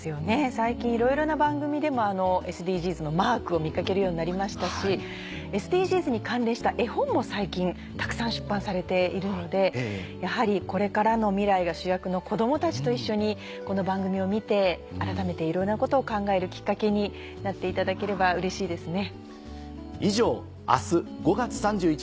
最近いろいろな番組でもＳＤＧｓのマークを見かけるようになりましたしＳＤＧｓに関連した絵本も最近たくさん出版されているのでやはりこれからの未来が主役の子どもたちと一緒にこの番組を見て改めていろいろなことを考えるきっかけになっていただければうれしいですね。